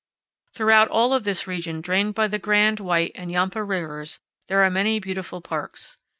Throughout all of this region drained by the Grand, White, and Yampa rivers, there are many beautiful parks.